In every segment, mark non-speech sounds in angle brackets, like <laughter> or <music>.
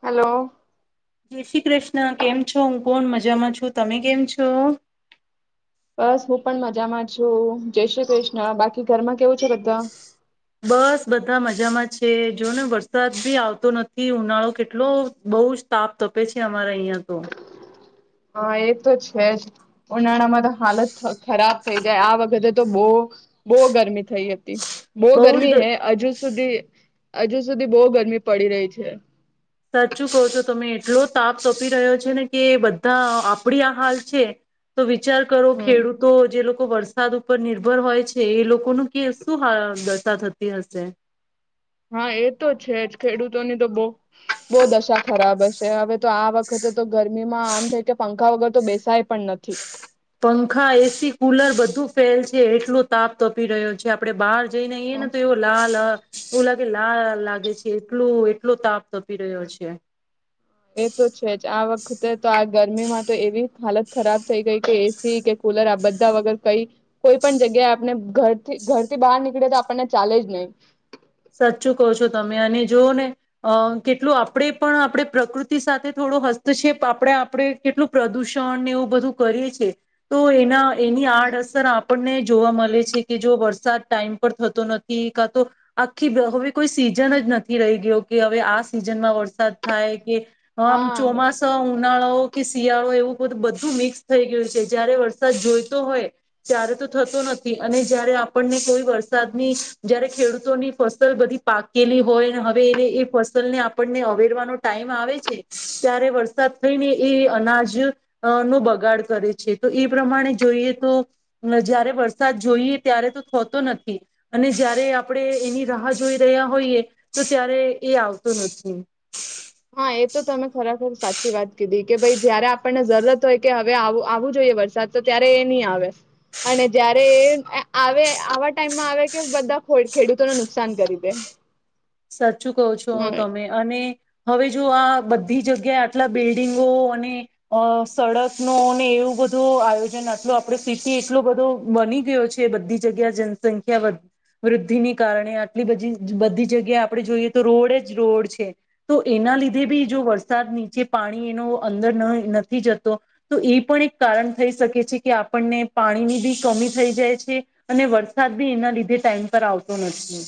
Hello જય શ્રી કૃષ્ણ કેમ છો હું કોણ મજામાં છું તમે કેમ છો બસ હું પણ મજામાં છું જય શ્રી કૃષ્ણ બાકી ઘરમાં કેવું છે બધા બસ બધા મજામાં છે જો ને વરસાદ બી આવતો નથી ઉનાળો કેટલો બહુ જ તાપ તપે છે અમારા અહિયાં તો હા એ તો છે જ ઉનાળામાં તો હાલત ખરાબ થઈ જાય આ વખતે તો બો બો ગરમી થઈ હતી બહુ ગરમી હૈ હજુ સુધી હજુ સુધી બહુ ગરમી પડી રહી છે સાચું કહો છો તમે એટલો તાપ તાપી રહ્યો છે ને કે બધા આપડી આ હાલ છે તો વિચાર કરો હમ ખેડૂતો જે લોકો લોકો વરસાદ ઉપર નિર્ભર હોય છે એ લોકોનું કે શું હા થતી હશે હા એ તો છે જ ખેડૂતોની તો બહુ બો દશા ખરાબ હશે હવે તો આ વખતે તો ગરમીમાં આમ થાય કે પંખા વગર તો બેસાય પણ નથી પંખા એસી કુલર બધું ફેલ છે એટલો તાપ તપી રહ્યો છે આપડે બહાર જઈને આઇએને તો એવું લાલ એવું લાગે લાલ લાગે છે એટલું એટલો તાપ તપી રહ્યો છે એ તો છે જ આ વખતે તો આ ગરમીમાં તો એવી હાલત ખરાબ થઈ ગઈ કે એસી કે કુલર આ બધા વગર કઈ કોઈ પણ જગ્યાએ આપને ઘરથી ઘરથી બહાર નીકળે તો આપણને ચાલે જ નહીિ સાચું કહો છો તમે અને જોઓ ને અ કેટલું આપણે પણ આપણે પ્રકૃતિ સાથે થોડો હસ્તક્ષેપ આપણે આપણે કેટલું પ્રદૂષણને એવું બધું કરીએ છ છેએ તો એના એની આડઅસર આપ આપણને જોવા મળે છે કે જો વરસાદ ટાઈમ પર થતો નથી કા તો આખી <inaudible> હવે કોઈ સિઝન જ નથી રહી ગયો કે હવે આ સિઝનમાં વરસાદ થાય કે હ આમ હા ચોમાસો અં ઉનાળાઓ કે શિયાળો એવું બધું બધું મિક્સ થઈ ગયું છે જયારે વરસાદ જોઈતો હોય ત્યારે તો થતો નથી અને જયારે આપણને કોઈ વરસાદની જયારે ખેડૂત ની ફસલ બધી પાકેલી હોય હવે એને એ ફસલ ને આપણને અવેરવાનો ટાઈમ આવે છે ત્યારે વરસાદ થઈને એ અનાજ નો બગાડ કરે છે તો એ પ્રમાણે જોઈએ તો જયારે વરસાદ જોઈએ ત્યારે તો થતો નથી અને જય્યારે આપણે એની રાહ જોઈ રહ્યા હોઈએ તો ત્યારે એ આવતું નથી હા એ તો તમે ખરેખર સાચી વાત કીધી કે ભાઈ જયારે આપણને જરૂરત હોય કે હવે આવું જોઈએ વરસાદ તો ત્યારે એ નહી આવે અને જયારે આવે આવા ટાઈમમાં આવે કે બધા ખેડૂતોને નુકસાન કરી દે સાચ ચું કહો છો હમ તમે અને હવે જો આ બધી જગ્યાએ આટલા બિલ્ડિંગો અને અ સડક નો અને એવું બધું આયોજન આટલો આપડ સિટી એટલો બધો બની ગયો છે બધી જગ્યા જનસંખ્યા વૃદ્ધિને કારણે આટલી બધી બધી જગ્યા આપણે જોઈએ તો રોડ જ રોડ છે તો એના લીધે બી જો વરસાદની જે પાણી એનો અંદર નઇ નથી જતો તો એ પણ એક કારણ થઈ શકે છે કે આપણને પાણીની બી કમી થઈ જાય છે અને વરસાદ બી એના લીધે ટાઈમ પર આવતો નથી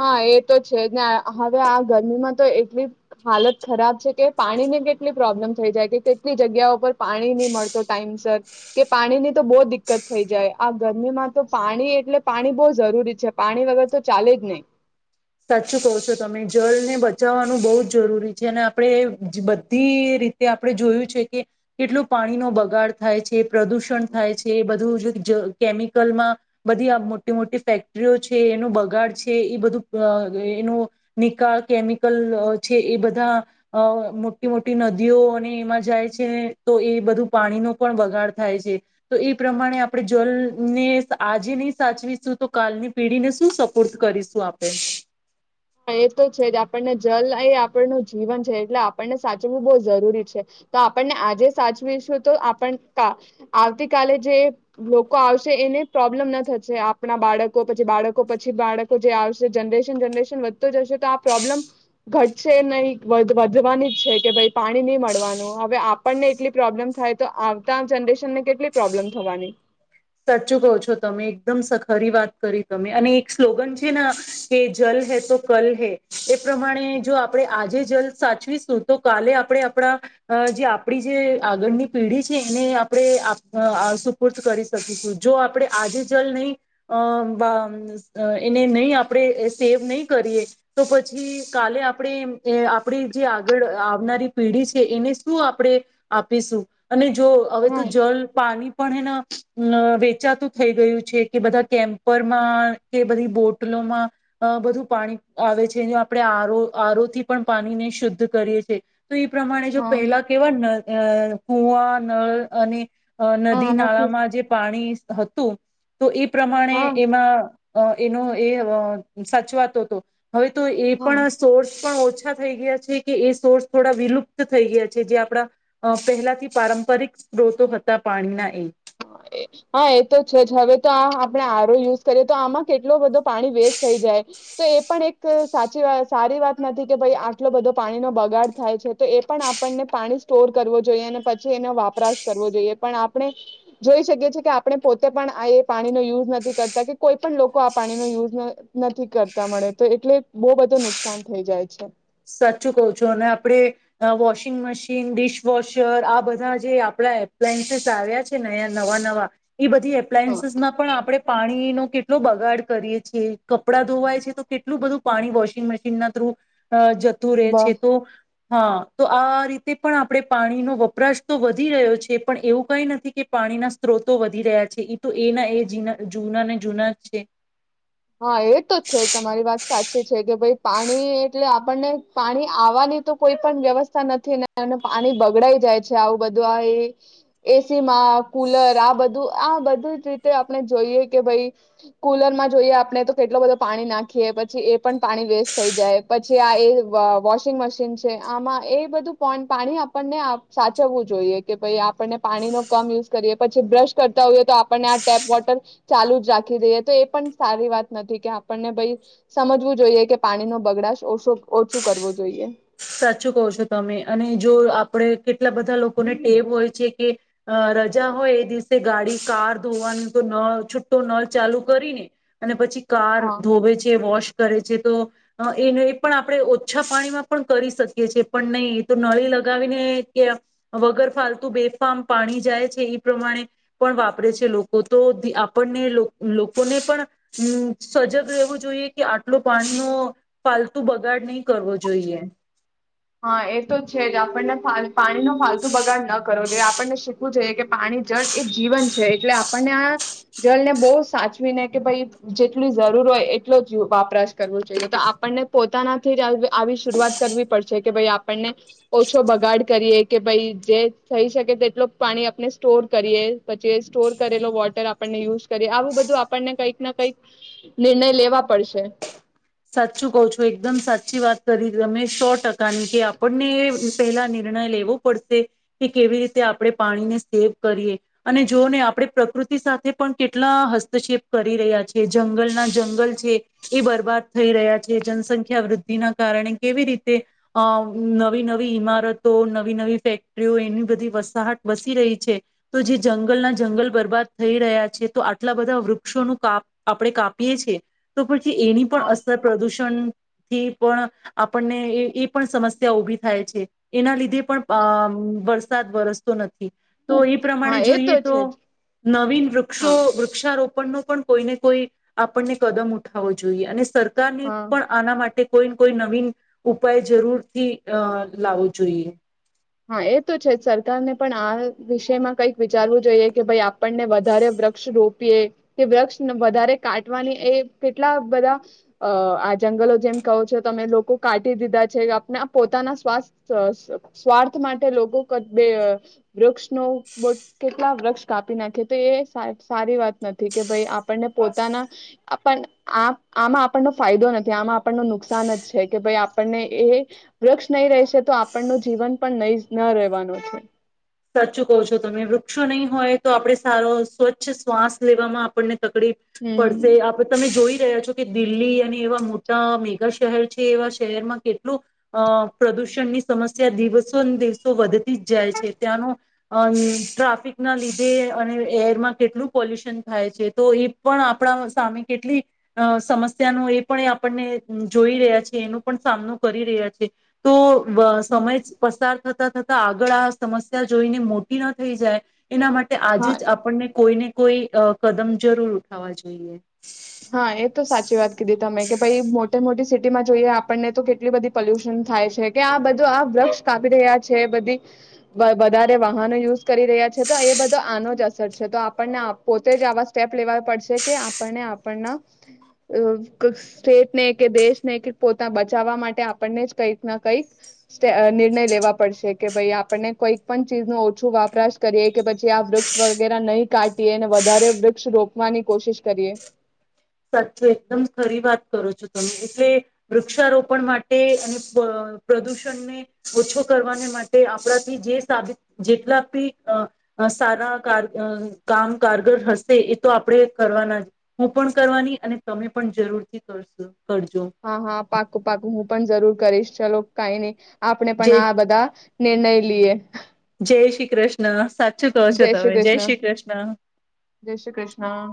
હા એ તો છે ને હવે આ ગરમીમાં તો એટલી હાલત ખરાબ છે કે પાણી ને કેટલી પ્રોબ્લેમ થઈ જાય કે કેટલી જગ્યા પર પાણી નહી મળતો ટાઈમ સર કે પાણી ની તો બહુ દિકકત થઈ જાય આ ગરમીમાં તો પાણી એટલે પાણી બહુ જરૂરી છે પાણી વગર તો ચાલે જ નહી સાચું કહો છો તમે જલને બચાવવાનું બહુ જ જરૂરી છે અને આપણે બધી રીતે આપણે જોયું છે કે કેટલું પાણીનો બગાડ થાય છે પ્રદુષણ થાય છે એ બધું કેમિકલમાં બધી આ મોટી મોટી ફેક્ટરીઓ છે એનું બગાડ છે એ બધું અ એનો નિકાલ કેમિકલ છે એ બધા અ મોટી મોટી નદીઓને એમાં જાય છે તો એ બધું પાણીનો પણ વગાડ થાય છે તો એ પ્રમાણે આપણે જલને આજે નહી સાચવીશું તો કાલની પેઢીને શું સપોર્દ કરીશું આપણે <inaudible> એ તો છે આપણને જલ એ આપણનું જીવન છે એટલે આપણને સાચવું બહુ જરૂરી છે તો આપણને આજે સાચવીશું તો આપણ આવતી કલે જે લોકો આવશે એને પ્રોબ્લેમ ના થશે આપ આપણા બાળકો પછી બાળકો પછી બાળક તો જે આવશે જનરેશન જનરેશન વધતો જશે તો આ પ્રોબ્લેમ ઘટશે નહી વધવાની જ છે કે ભાઈ પાણી નહી મળવાનું હવે આપણને એટલી પ્રોબ્લેમ થાય તો આવતા જનરેશનને કેટલી પ્રોબ્લેમ થવાની સાચું કહો છો તમે એકદમ સ ખરી વાત કરી તમે અને એક સ્લોગન છે ને કે જલ હૈ તો કલ હૈ એ પ્રમાણે જો આપણે આજે જલ સાચવીશું તો કાલે આપણે આપણા જે આપણી જે આગળની પેઢી છે એને આપણે આપડે આપણે સુપૂર્ત કરીશ શું જો આપણે આજે જલ નહી એને નહી અ વા અ આપણે સેવ નહી કરીએ તો પછી કાલે આપણે આપડી જે આગળ આવનારી પેઢી છે એને શું આપણે આપીશું અને જો હવે તો હા જલ પાણી પણ એના અ વેચાતું થઈ ગયું છે કે બધા કેમ્પરમાં કે બધી બોટલોમાં અ બધું પાણી આવે છે આપણે આરો આરોથી પણ પાણીને શુદ્ધ કરીએ છે તો એ પ્રમાણે જો હા પહેલા કેવા અ કૂવા નળ અને અ હા નદી એનાથી નાળામાં જે હતું તો એ હા પ્રમાણે એમાં અ એનો એ અ સાચવાતો તો હવે તો એ હા પણ સોર્સ પણ ઓછા થઈ ગયા છે કે એ સોર્સ થોડા વિલુપ્ત થઈ ગયા છે જે આપણા અ પહેલાથી પારંપરિક સ્ત્રોતો હતા પાણીના એ હા એ તો છે જ હવે તો આ આપણે આરો યુઝ કરીએ તો આમાં કેટલો બધો પાણી વેસ્ટ થઈ જાય તો એ પણ એક સાચી સારી વાત નથી કે ભાઈ આટલો બધો પાણીનો બગાડ થાય છે તો એ પણ આપણને પાણી સ્ટોર કરવો જોઈએ અને પછી એનો વપરાશ કરવો જોઈએ પણ આપણે જોઈ શકીએ છીએ કે આપણે પોતે પણ આ એ પાણીનો યુઝ નથી કરતા કે કોઈ પણ લોકો આ પાણીનો યુઝ નથી કરતા મળે તો એટલે બહુ બધું નુકસાન થઈ જાય છે સાચું કહ છો અને આપણે વોશિંગ મશીન ડિશવોશર આ બધા જે આપડા એપ્લાયન્સીસ આવ્યા છે નયા નવા નવા એ બધી એપ્લાયન્સીસમાં પણ આપણે પાણીનો કેટલો બગાડ કરીએ છીએ કપડા ધોવાય છે તો કેટલું બધું પાણી વોશિંગ મશીન ના થ્રુ અ જતું રહે બ છે તો હા તો આ રીતે પણ આપણે પાણીનો વપરાશ તો વધી રહ્યો છે પણ એવું કઈ નથી કે પાણીના સ્ત્રોતો વધી રહ્યા છે તો એના એ જી ના જૂના ને જૂના છે હા એ તો છે તમારી વાત સાચી છે કે ભાઈ પાણી એટલે આપણને પાણી આવવાની તો કોઈ પણ વ્યવસ્થા નથી ને પાણી બગડાઈ જાય છે આવું બધું આ એ એસી માં કુલર આ બધું આ બધું જ રીતે આપણે જોઈએ કે ભાઈ કુલરમાં જોઈએ અપ આપણે તો કેટલોું બધો પાણી નાખીએ પછી એ એ પણ પાણી વેસ્ટ થઈ જાય પછી આ એ વોશિંગ મશીન છે આમાં એ બધું પોઈ પાણી આપણને સાચવવું જોઈએ કે ભાઈ આપણને પાણીનો કમ યુઝ કરીએ પછી બ્રશ કરતા હોઈએ તો આપણને આ ટેપ વોટર ચાલુ જ રાખી દઈએ તો એ પણ સારી વાત નથી કે આપણને ભાઈ સમજવું જોઈએ કે પાણી નો બગડાશ ઓછો ઓછું કરવું જોઈએ સાચું કહ છો તમે અને જો આપડે કેટલા બધા લોકોને ટેવ હોય છે કે રજા હોય એ દિવસે ગાડી કાર ધોવાની તો નળ છૂટટો નળ ચાલુ કરીને અને પછી કાર હા. ધોવે છે વોશ કરે છે તો એને એ પણ આપણે ઓછા પાણીમાં પણ કરી શકીએ છે પણ નહી એ તો નળી લગાવીને કે વગર ફાલતુ બેફામ પાણી જાય છે એ પ્રમાણે પણ વાપરે છે લોકો તો આપણને લો લોકોને પણમ સજગ રહેેવું જોઈએ કે આટલો પાણીનો ફાલતુ બગાડ નહી કરવો જોઈએ હા એ તો છે જ આપણને પાણી નો ફાલતુ બગાડ ન કરો જે આપણને શીખવું જોઈએ કે પાણી જળ એ જીવન છે એટલે આપણને આ જલને બહુ સાચવીને કે ભાઈ જેટલી જરૂર હોય એટલો જ વપરાશ કરવો જોઈએ તો આપણને પોતાનાથી જ આવ આવી શરૂઆત કરવી પડશે કે ભાઈ આપણને ઓછો બગાડ કરીએ કે ભાઈ જે થઈ શકે તેટલ પાણી આપણે સ્ટોર કરીએ પછી સ્ટોર કરેલો વોટર આપણને યુઝ કરીએ આવું બધું આપણને કંઈક ના કઈક નિર્ણય લેવા પડશે સાચું કહ છું એકદમ સાચી વાત કરી તમે સો ટકાની કે આપણને પહેલા નિર્ણય લેવો પડશે કે કેવી રીતે આપણે પાણીને સેવ કરીએ અને જોઓ ને આપણે પ્રકૃતિ સાથે પણ કેટલા હસ્તક્ષેપ કરી રહ્યા છે જંગલના જંગલ છે એ બરબાદ થઈ રહ્યા છે જનસંખ્યા વૃદ્ધિના કારણે કેવી રીતે અ નવી નવી ઈમારતો નવી નવી ફેક્ટરીઓ એની બધી વસાહટ વસી રહી છે તો જે જંગલના જંગલ બરબાદ થઈ રહ્યા છે તો આટલા બધા વૃક્ષોનું કાપ આપણે કાપીએ છીએ તો કે એની પણ હા અસર પ્રદૂષણથી પણ આપણને એ પણ સમસ્યા ઉભી થાય છે એના લીધે પણ અ હા વર વરસાદ વરસ તો નથી તો એ હા પ્રમાણે એ જોઈએ તો છે જ નવીન વૃક્ષો હા વૃક્ષારોપણનો પણ કોઈને કોઈ આપણને કદમ ઉઠાવો જોઈએ અને સર પસરકાર ને હા પણ આના માટે કોઈ કોઈ નવીન ઉપાય જરૂર થી અ લાવવો જોઈએ હા એ તો છે સરકારને પણ આ વિષયમાં કંઈક વિચારવું જોઈએ કે ભાઈ આપણને વધારે વૃક્ષ રોપ રોપિયે કે વૃક્ષ ને વધારે કાટવાની એ કેટલા બધા આ જંગલો જેમ કહો છો તમે લોકો કાટી દીધા છે આપણે પોતાના શ્વાથ સ્વાર્થ માટે લોકો બે વૃક્ષનો કેટલા વૃક્ષ કાપી નાખે તો એ સા સારી વાત નથી કે ભાઈ આપણને પોતાના આમાં આપણનો ફાયદો નથી આમાં આપણને નુકસાન જ છે કે ભાઈ આપણને એ વૃક્ષ નહીં રહેશે તો આપણનું જીવન પણ નહી ન રહેવાનું છે સાચું કહો છો તમે વૃક્ષો નહીં હોય તો આપડે સારો સ્વચ્છ શ્વાસ લેવામાં આપણને તકલીફ હમ. પડશે આપડ તમે જોઈ રહ્યા છો જો કે દિલ્હી અને એવા મોટા મેગા શહેર છે એવા શહેરમાં કેટલું અ પ્રદુષણની સમસ્યા દિવસોને દિવસો વધતી જ જાય છે ત્યાંનો અમ ટ્રાફિક ના લીધે અને એરમાં કેટલું પોલ્યુશન થાય છે તો એ પણ આપણા સામે કેટલી અ સમસ્યાનો એ પણ આપણને જોઈ રહ્યા છે એનો પણ સામનો કરી રહ્યા છે તો સમય જ પસાર થતા થતા આગળ સમસ્યા જોઈને મોટી ન થઈ જાય એના માટે આજે હા જ આપણને કોઈને કોઈ અ કદમ જરૂર ઉઠાવવા જોઈએ હા એ તો સાચી વાત કીધી તમે કે ભાઈ મોટે મોટી સિટીમાં જોઈએ આપણને તો કેટલી બધી પોલ્યુશન થાય છે કે આ બધું આ વૃક્ષ કાપી રહ્યા છે બધી વધારે વાહનો યુઝ કરી રહ્યા છે તો એ બધો આનો જ છે તો આપણને પોતે જ આવા સ્ટેપ લેવા પડશે કે આપણને સ્ટેટને કે દેશને પોતા બચાવવા માટે આપણને જ કંઈક ના કંઈક અ નિર્ણય લેવા પડશે કે ભાઈ આપણને કંઈક પણ ચીજ ન ઓછું વાપરાશ કરીએ કે પછી આ વૃક્ષ વગેરે નહી કાઢીએને વધારે વૃક્ષ રોપવાની કોશિશ કરીએ સાચું એકદમ ખરી વાત કરો છો તમે એટલે વૃક્ષારોપણ માટે અને પ પ્રદૂષણને ઓછો કરવાને માટે આપણાથી જે સાબિત જેટલા બી સારા કામ કારગર હશે એ તો આપણે કરવાના જ હું પણ કરવાની અને તમે પણ જરૂર થી કરશો કરજો હા હા પાકું પાકુ હું પણ જરૂર કરીશ ચાલો કાઈ નહી આપણે પણ જય આ બધા નિર્ણયે લીયે જય શ્રી કૃષ્ણ સાચ સાચું કહો છો તમે જય શ્રી કૃષ્ણ જય શ્રી કૃષ્ણ